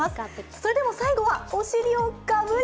それでも最後は、お尻をがぶり！